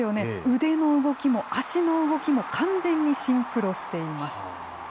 腕の動きも足の動きも、完全にシンクロしています。